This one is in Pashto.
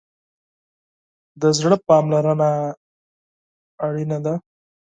د زړه پاملرنه مهمه ده.